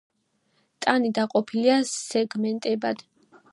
ტანი დაყოფილია სეგმენტებად.